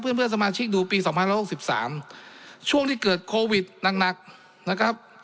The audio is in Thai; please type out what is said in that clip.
เพื่อนเพื่อนสมาชิกดูปีสองพันห้าหกสิบสามช่วงที่เกิดโควิดหนักหนักนะครับ